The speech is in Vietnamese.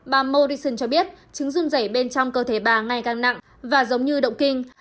bà morrison cho biết trứng rung rẩy bên trong cơ thể bà ngay càng nặng và giống như động kinh